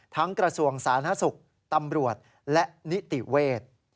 กระทรวงสาธารณสุขตำรวจและนิติเวทย์